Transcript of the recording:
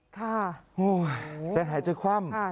ใจหายใจคว่ำ